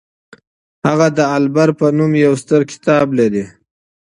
هغه د العبر په نوم يو ستر کتاب لري.